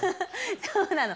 そうなの。